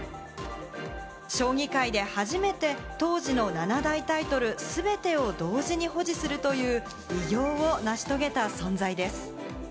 将棋界で初めて当時の七大タイトル全てを同時に保持するという偉業を成し遂げた存在です。